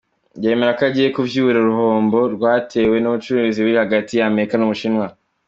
Kureba izindi nkuru nkizi zahise wadukurikira kuri Page ya Facebook yitwa ‘Tumenye isi’.